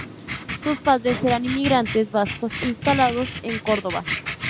Sus padres eran inmigrantes vascos instalados en Córdoba.